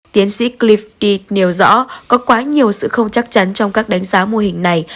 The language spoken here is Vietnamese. tiến sĩ clife nêu rõ có quá nhiều sự không chắc chắn trong các đánh giá mô hình này